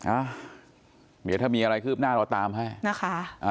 อ่ะเดี๋ยวถ้ามีอะไรคืบหน้าเราตามให้นะคะ